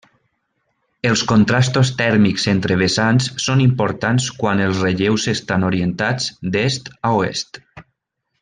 Els contrastos tèrmics entre vessants són importants quan els relleus estan orientats d'est a oest.